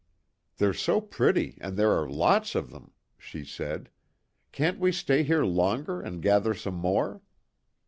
"They're so pretty, and there are lots of them," she said. "Can't we stay here longer and gather some more?"